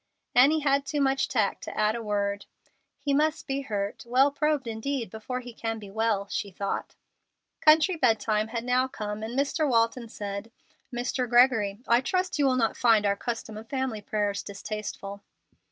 Annie had too much tact to add a word. "He must be hurt well probed indeed before he can be well," she thought. Country bedtime had now come, and Mr. Walton said, "Mr. Gregory, I trust you will not find our custom of family prayers distasteful."